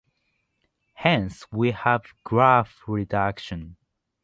Hence we have graph reduction.